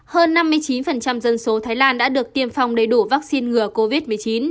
hơn năm mươi chín dân số thái lan đã được tiêm phòng đầy đủ vaccine ngừa covid một mươi chín